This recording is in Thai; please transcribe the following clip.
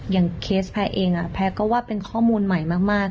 เคสแพ้เองแพ้ก็ว่าเป็นข้อมูลใหม่มาก